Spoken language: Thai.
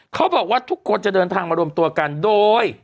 เขาบอกว่าทุกคนจะเดินทางมารวมตัวกันโดย